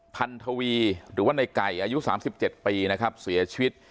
พันธวีหรือว่าในไก่อายุสามสิบเจ็ดปีนะครับเสียชีวิต